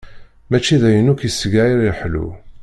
Mačči d ayen akk iseg ara yeḥlu.